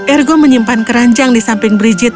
ergo menyimpan keranjang di samping brigit